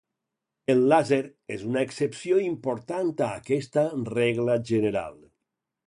El làser és una excepció important a aquesta regla general.